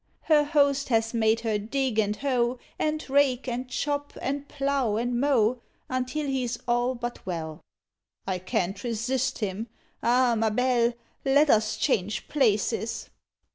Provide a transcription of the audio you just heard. Her host has made her dig and hoe, And rake and chop, and plough and mow, Until he's all but well. "I can't resist him. Ah! ma belle: Let us change places."